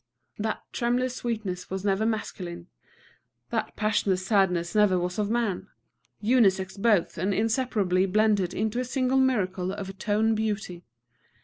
That tremulous sweetness was never masculine; that passional sadness never was of man: unisexual both and inseparably blended into a single miracle of tone beauty.